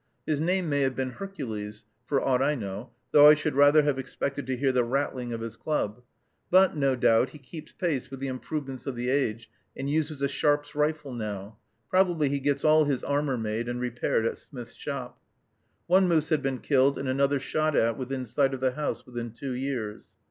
His name may have been Hercules, for aught I know, though I should rather have expected to hear the rattling of his club; but, no doubt, he keeps pace with the improvements of the age, and uses a Sharp's rifle now; probably he gets all his armor made and repaired at Smith's shop. One moose had been killed and another shot at within sight of the house within two years.